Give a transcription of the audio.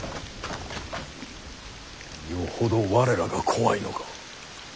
よほど我らが怖いのか？